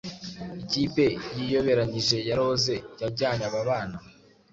ikipe yiyoberanyije ya rose yajyanye aba bana